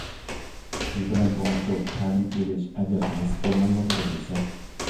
سىز بىلەن تونۇشۇپ، تەلىم ئېلىش ئەجەب نېسىپ بولمايۋاتىدۇ دېسە!